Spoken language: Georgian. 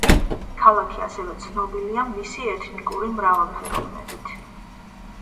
ქალაქი ასევე ცნობილია მისი ეთნიკური მრავალფეროვნებით.